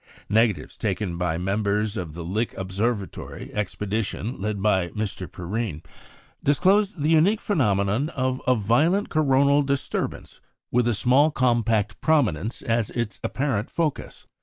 Negatives taken by members of the Lick Observatory expedition led by Mr. Perrine disclosed the unique phenomenon of a violent coronal disturbance, with a small compact prominence as its apparent focus.